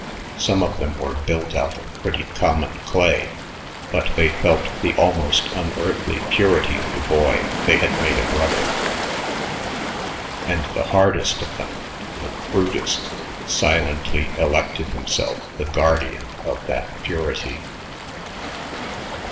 Some of them were built out of pretty common clay, but they felt the almost unearthly purity of the boy they had made a brother; and the hardest of them, the crudest, silently elected himself the guardian of that purity.